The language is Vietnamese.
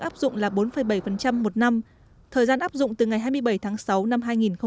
áp dụng là bốn bảy một năm thời gian áp dụng từ ngày hai mươi bảy tháng sáu năm hai nghìn hai mươi